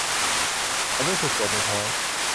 ฉันรู้สึกปวดในท้อง